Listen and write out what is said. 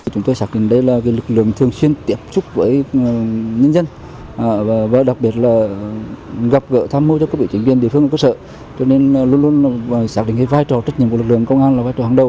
trung tá nguyễn văn trí tham mưu cho quốc gia cho nên luôn luôn xác định vai trò trách nhiệm của lực lượng công an là vai trò hàng đầu